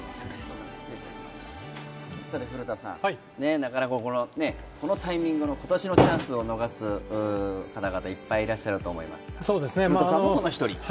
なかなかこのタイミングの、今年のチャンスを逃す方々いっぱいいらっしゃると思いますが古田さんもその１人。